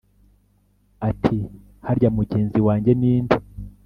ati Harya mugenzi wanjye ni nde